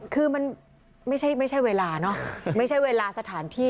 คือมันไม่ใช่ไม่ใช่เวลาเนอะไม่ใช่เวลาสถานที่